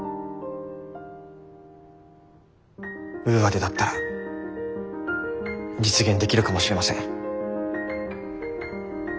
ウーアでだったら実現できるかもしれません。